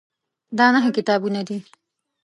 دا نهه کتابونه دي.